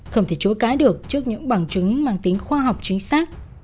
không thể chối cá được trước những bằng chứng mang tính khoa học chính xác